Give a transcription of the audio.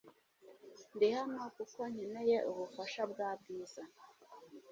Ndi hano kuko nkeneye ubufasha bwa Bwiza .